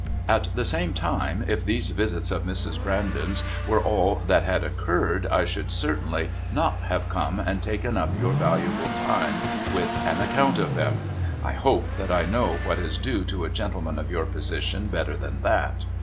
"At the same time, if these visits of Mrs. Brandon's were all that had occurred I should certainly not have come and taken up your valuable time with an account of them; I hope that I know what is due to a gentleman of your position better than that.